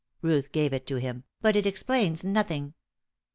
Ruth gave it to him. "But it explains nothing."